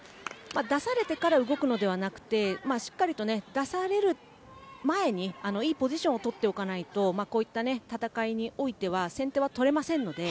出されてから動くのではなくしっかりと出される前にいいポジションをとっておかないとこういった戦いにおいては先手は取れませんので。